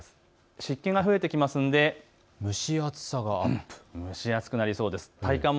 湿気が増えてきますので蒸し暑さがアップ、蒸し暑くなりそうです。